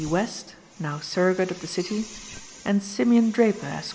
West (now Surrogate of the city) and Simeon Draper, Esq.